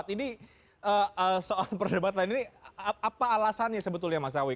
ini soal perdebatan ini apa alasannya sebetulnya mas awi